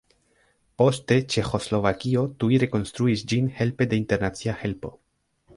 Poste Ĉeĥoslovakio tuj rekonstruis ĝin helpe de internacia helpo.